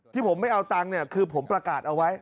ที่ผมไม่เอาตังค์เนี่ยคือผมประกาศเอาไว้